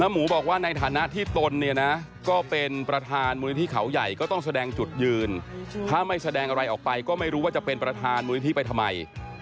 หมูบอกว่าในฐานะที่ตนเนี่ยนะก็เป็นประธานมูลนิธิเขาใหญ่ก็ต้องแสดงจุดยืนถ้าไม่แสดงอะไรออกไปก็ไม่รู้ว่าจะเป็นประธานมูลนิธิไปทำไม